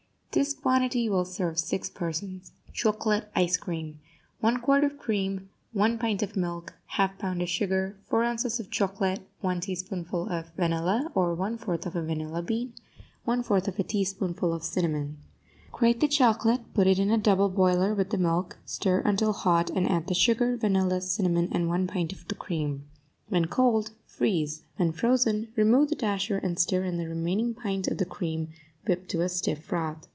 This quantity will serve six persons. CHOCOLATE ICE CREAM 1 quart of cream 1 pint of milk 1/2 pound of sugar 4 ounces of chocolate 1 teaspoonful of vanilla or 1/4 of a vanilla bean 1/4 of a teaspoonful of cinnamon Grate the chocolate, put it in a double boiler with the milk; stir until hot, and add the sugar, vanilla, cinnamon and one pint of the cream. When cold, freeze; when frozen, remove the dasher and stir in the remaining pint of the cream whipped to a stiff froth.